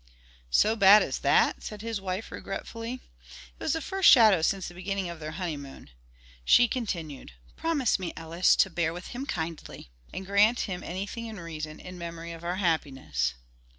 "So bad as that?" said his wife regretfully; it was the first shadow since the beginning of their honeymoon. She continued: "Promise me, Ellis, to bear with him kindly and grant him anything in reason, in memory of our happiness."